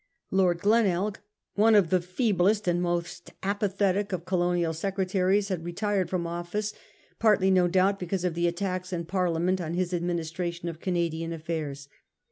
Lord Glenelg, one of the feeblest and most apathetic of colonial secretaries, had retired from office, partly, no doubt, because of the attacks in Parliament on his administration of Canadian affairs.